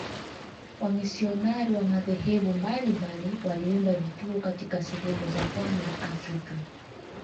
Wamisionari wa madhehebu mbalimbali waliunda vituo katika sehemu za pwani ya Afrika.